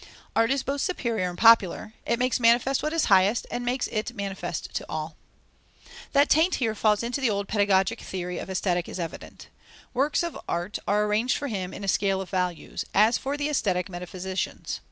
Art is both superior and popular; it makes manifest what is highest, and makes it manifest to all. That Taine here falls into the old pedagogic theory of Aesthetic is evident. Works of art are arranged for him in a scale of values, as for the aesthetic metaphysicians.